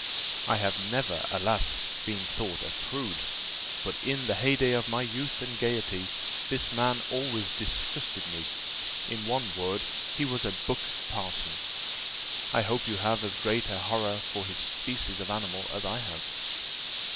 I have never, alas! been thought a prude, but in the heyday of my youth and gaiety, this man always disgusted me. In one word, he was a buck parson. I hope you have as great a horror for this species of animal as I have?"